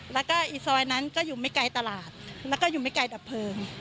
แล้วก็อีกซอยนั้นก็อยู่ไม่ไกลตลาดแล้วก็อยู่ไม่ไกลดับเพลิง